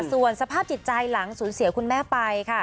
ส่วนสภาพจิตใจหลังสูญเสียคุณแม่ไปค่ะ